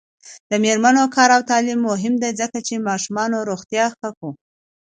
د میرمنو کار او تعلیم مهم دی ځکه چې ماشومانو روغتیا ښه کو.